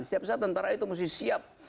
setiap saat tentara itu mesti siap